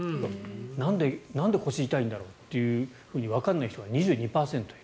なんで腰痛いんだろうとわからない人が２２％いる。